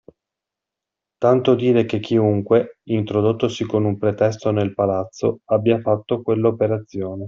Tanto dire che chiunque, introdottosi con un pretesto nel palazzo, abbia fatto quell'operazione.